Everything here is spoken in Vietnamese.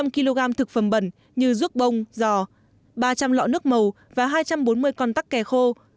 một trăm linh kg thực phẩm bẩn như ruốc bông giò ba trăm linh lọ nước màu và hai trăm bốn mươi con tắc kè khô